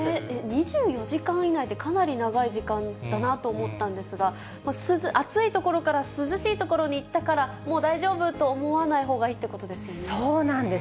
２４時間以内って、かなり長い時間だなと思ったんですが、暑い所から涼しい所に行ったから、もう大丈夫と思わないほうがいいそうなんです。